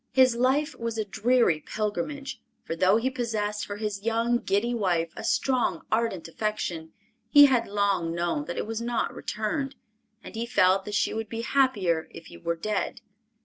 His life was a dreary pilgrimage, for though he possessed for his young, giddy wife, a strong, ardent affection, he had long known that it was not returned, and he felt that she would be happier if he were dead.